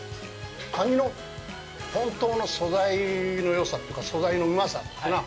カニの本当の素材のよさというか素材のうまさというのかな